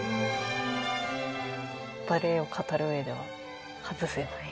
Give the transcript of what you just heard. バレエを語る上では外せない方。